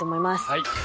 はい。